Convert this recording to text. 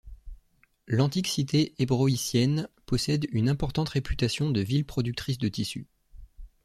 L'antique cité ébroïcienne possède une importante réputation de ville productrice de tissus.